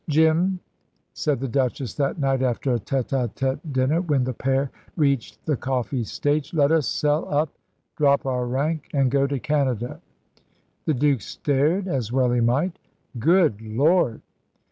"Jim," said the Duchess that night, after a tête à tête dinner, when the pair reached the coffee stage, "let us sell up, drop our rank, and go to Canada." The Duke stared, as well he might. "Good Lord!"